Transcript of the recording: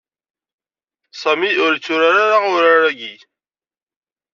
Sami ur itturar-ara urar-agi.